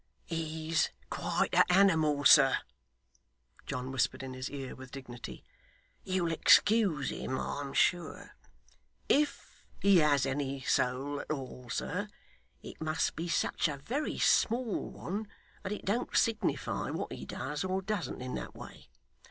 'He's quite a animal, sir,' John whispered in his ear with dignity. 'You'll excuse him, I'm sure. If he has any soul at all, sir, it must be such a very small one, that it don't signify what he does or doesn't in that way.